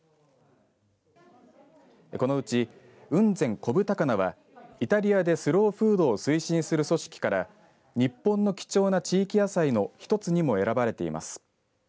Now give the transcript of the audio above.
このうち、雲仙こぶ高菜はイタリアでスローフードを推進する組織から日本の貴重な地域野菜の一つにも選ばれています。